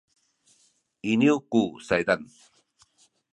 iniyu ku saydan